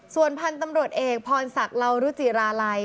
ส่วนพันธุ์ตำรวจเอกพรศักดิ์ลาวรุจิราลัย